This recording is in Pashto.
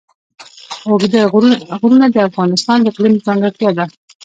اوږده غرونه د افغانستان د اقلیم ځانګړتیا ده.